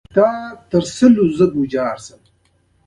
ستا دچوپتیا تر سلو ژبو جارشم